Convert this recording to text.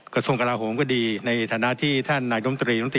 กระทรวงกระดาษห่วงก็ดีในฐานะที่ท่านนายดมตรี